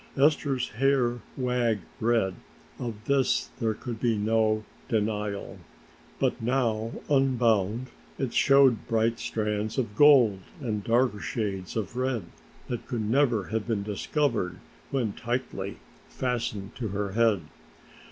Esther's hair wag red, of this there could be no denial, but now unbound it showed bright strands of gold and darker shades of red that could never have been discovered when tightly fastened to her head.